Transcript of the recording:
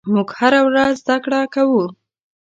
موږ هره ورځ زدهکړه کوو.